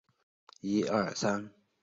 她在该系列剧集中献唱了好几首歌曲。